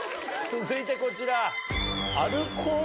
続いてこちら。